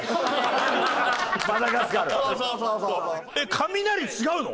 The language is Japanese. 雷違うの？